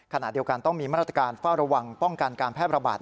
ขณะเดียวกันต้องมีมาตรการเฝ้าระวังป้องกันการแพร่ระบาด